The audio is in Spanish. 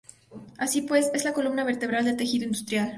Así pues, es la columna vertebral del tejido industrial.